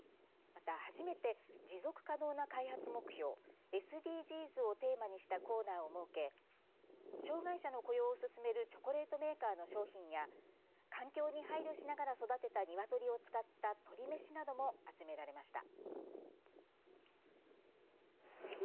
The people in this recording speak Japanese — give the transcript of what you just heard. また、初めて持続可能な開発目標ＳＤＧｓをテーマにしたコーナーを設け障害者の雇用を進めるチョコレートメーカーの商品や環境に配慮しながら育てたにわとりを使った鶏めしなども集められました。